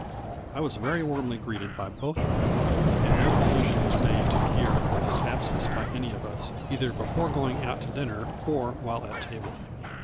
I was very warmly greeted by both of them, and no allusion was made to Pierre or his absence by any of us, either before going out to dinner or while at table.